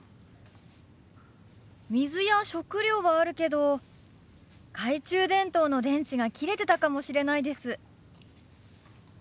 水や食料はあるけど懐中電灯の電池が切れてたかもしれないです。